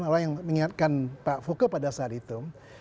orang yang mengingatkan pak fokke pada saat itu